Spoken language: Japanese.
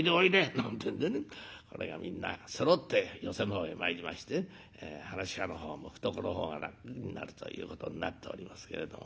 なんてえんでねこれがみんなそろって寄席の方へ参りまして噺家の方を向くと楽になるということになっておりますけれども。